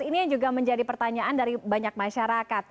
ini yang juga menjadi pertanyaan dari banyak masyarakat